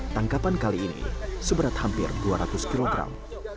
tangkapan kali ini seberat hampir dua ratus kilogram